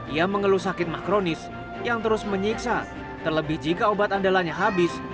ia mengeluh sakit makronis yang terus menyiksa terlebih jika obat andalanya habis